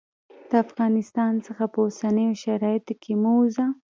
د افغانستان څخه په اوسنیو شرایطو کې مه ووزه.